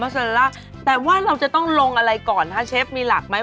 อ๋อมอสเซเลลล่าแต่ว่าเราจะต้องลงอะไรก่อนครับเชฟมีหลักไหม